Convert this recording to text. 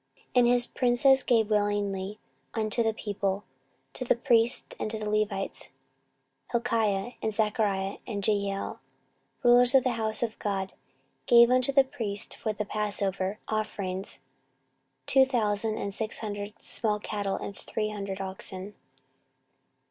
14:035:008 And his princes gave willingly unto the people, to the priests, and to the Levites: Hilkiah and Zechariah and Jehiel, rulers of the house of God, gave unto the priests for the passover offerings two thousand and six hundred small cattle and three hundred oxen.